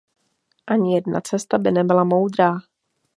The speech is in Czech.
Ani jedna cesta by nebyla moudrá.